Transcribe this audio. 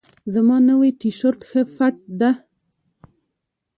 زما نئی تیشرت ښه فټ ده.